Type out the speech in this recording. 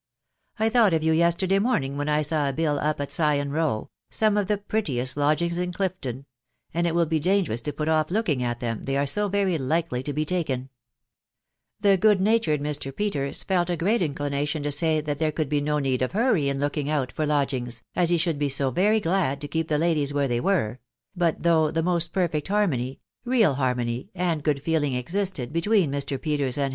I thought ei yen yesterday morning when I saw a bill up at Sion Row .♦.. some of the prettiest lodgings in Clifton, and it will be danger ous to put off looking at them, they are so very likely to he taken/' The good natured Mr. Peters J*k a great inclination te> say that there could be no need of hurry in looking out far lodgr ings, as he should be so very glad to keep the ladies where they were ; but, though the most perfect Yvaxmowj Qcealhax> tnony) and good feeling existed between Mr. Peters k&&\&* ettm TB* WtBOW BAttKrABT.